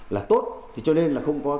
là tốt cho nên là không có